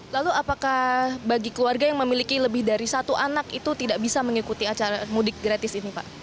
lalu apakah bagi keluarga yang memiliki lebih dari satu anak itu tidak bisa mengikuti acara mudik gratis ini pak